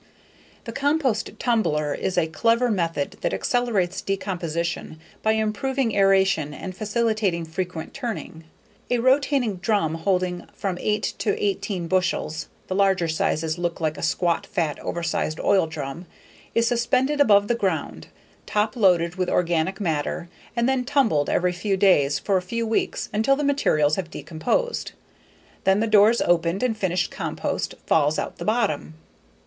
The compost tumbler is a clever method that accelerates decomposition by improving aeration and facilitating frequent turning. A rotating drum holding from eight to eighteen bushels (the larger sizes look like a squat, fat, oversized oil drum) is suspended above the ground, top loaded with organic matter, and then tumbled every few days for a few weeks until the materials have decomposed. Then the door is opened and finished compost falls out the bottom.